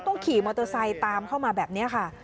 ขี่มอเตอร์ไซค์ตามเข้ามาแบบนี้ค่ะ